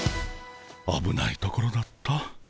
あぶないところだった。